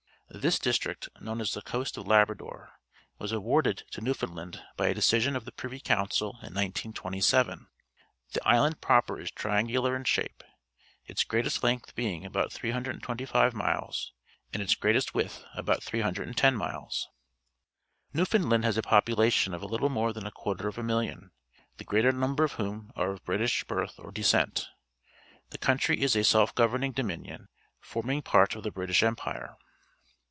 This district, known as the Coa^t of Labrador, was awarded to Newfound land by a decision of the Privy Council in 1927. The island proper is triangular in shape, its greatest length being about 325 miles and its greatest width about 310 miles. Newfoundland has a population of a httle more than a quarter of a million, the greater number of whom are of British birth or descent. The__country is a self goA'erning Dominion, forming part of the British Empire.